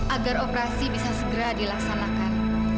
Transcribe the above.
agar operasi bisa segera dilaksanakan